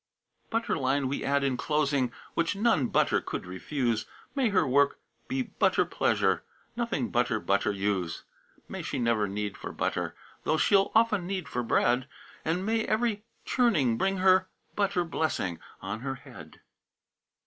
VI. "Butter line we add in closing, Which none butter could refuse: May her work be butter pleasure, Nothing butter butter use; May she never need for butter, Though she'll often knead for bread, And may every churning bring her Butter blessing on her head."